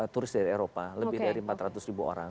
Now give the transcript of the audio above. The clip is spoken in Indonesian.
turis dari eropa lebih dari empat ratus ribu orang